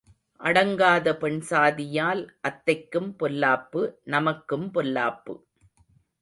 அடங்காத பெண்சாதியால் அத்தைக்கும் பொல்லாப்பு நமக்கும் பொல்லாப்பு.